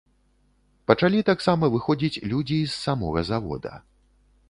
Пачалі таксама выходзіць людзі і з самога завода.